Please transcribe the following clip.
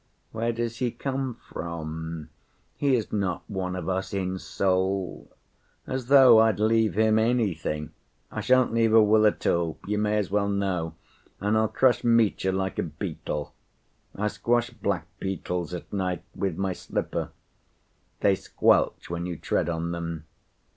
Where does he come from? He is not one of us in soul. As though I'd leave him anything! I shan't leave a will at all, you may as well know. And I'll crush Mitya like a beetle. I squash black‐beetles at night with my slipper; they squelch when you tread on them.